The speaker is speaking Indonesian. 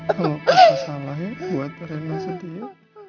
kalau papa salah ya buat rema sendiri